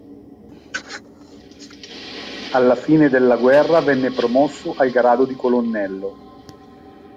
Alla fine della guerra venne promosso al grado di colonnello.